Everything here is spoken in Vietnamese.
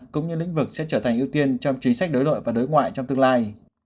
cũng như lĩnh vực sẽ trở thành ưu tiên trong chính sách đối nội và đối ngoại trong tương lai